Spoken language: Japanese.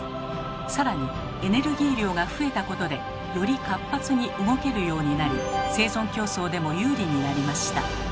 さらにエネルギー量が増えたことでより活発に動けるようになり生存競争でも有利になりました。